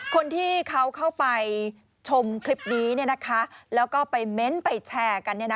คนที่เขาเข้าไปชมคลิปนี้แล้วก็ไปเม้นต์ไปแชร์กัน